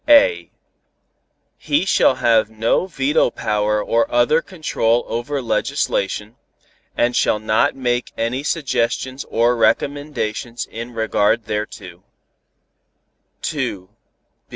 (a) He shall have no veto power or other control over legislation, and shall not make any suggestions or recommendations in regard thereto.